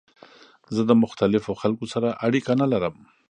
زه د مختلفو خلکو سره اړیکه نه لرم.